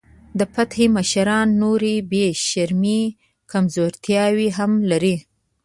د فتح مشران نورې بې شمېره کمزورتیاوې هم لري.